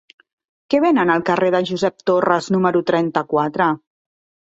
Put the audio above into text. Què venen al carrer de Josep Torres número trenta-quatre?